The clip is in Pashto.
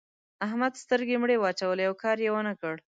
احمد سترګې مړې واچولې؛ او کار يې و نه کړ.